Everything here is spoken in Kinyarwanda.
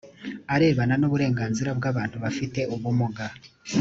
arebana n uburenganzira bw abantu bafite ubumuga